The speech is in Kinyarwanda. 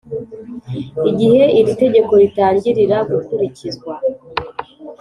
igihe iri tegeko ritangirira gukurikizwa